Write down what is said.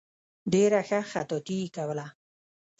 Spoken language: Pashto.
ډېره ښه خطاطي یې کوله.